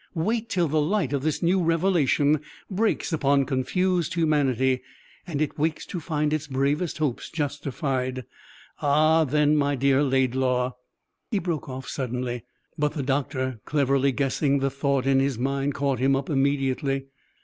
Wait till the light of this new revelation breaks upon confused humanity, and it wakes to find its bravest hopes justified! Ah, then, my dear Laidlaw " He broke off suddenly; but the doctor, cleverly guessing the thought in his mind, caught him up immediately.